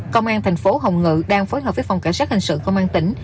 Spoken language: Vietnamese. công an thành phố hồng ngự đang phối hợp với phòng cảnh sát hình sự công an tỉnh